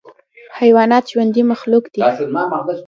حیوانات ژوندی مخلوق دی.